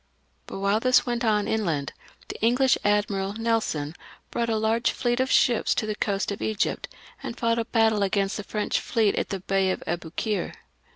But while this went on inland, the English admiral. Nelson, brought a large fleet of ships to the coast of Egypt, and fought a battle against the French fleet in the Bay of Aboukir.